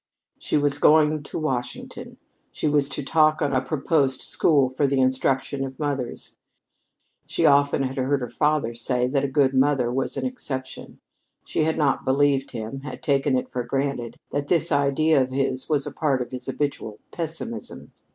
So she was going to Washington. She was to talk on a proposed school for the instruction of mothers. She often had heard her father say that a good mother was an exception. She had not believed him had taken it for granted that this idea of his was a part of his habitual pessimism.